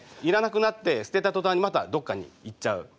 いらなくなって捨てた途端にまたどっかに行っちゃう。